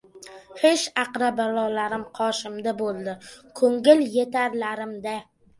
Xesh-aqrabolarim qoshimda bo‘ldi. Ko‘ngil yetarlarim-da